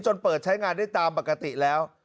เปิดใช้งานได้ตามปกติแล้ว